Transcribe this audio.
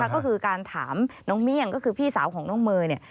ก็คือการถามน้องเมี่ยงก็คือพี่สาวของน้องเมย์